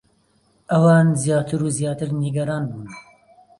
ئەوان زیاتر و زیاتر نیگەران بوون.